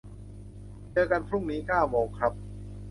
เจอกันพรุ่งนี้ เก้าโมงครับ